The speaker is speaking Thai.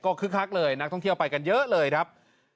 ก็คึ้กฮลักหน่อยนักท่องเที่ยวไปกันเยอะเลยครับ